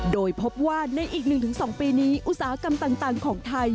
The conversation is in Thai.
โดยพบว่าในอีก๑๒ปีนี้อุตสาหกรรมต่างของไทย